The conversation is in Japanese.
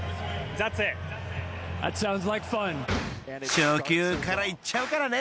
［初球からいっちゃうからね！